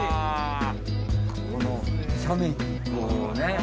この斜面にこうね